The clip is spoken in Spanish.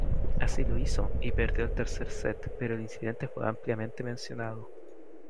Así lo hizo, y perdió el tercer set, pero el incidente fue ampliamente mencionado.